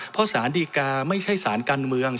เพราะสารดีกาไม่ใช่สารการเมือง